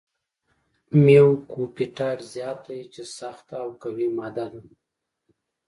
میوکوپپټایډ زیات دی چې سخته او قوي ماده ده.